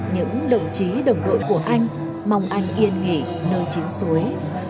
những đồng chí đồng đội của anh mong anh yên nghỉ nơi chiến suối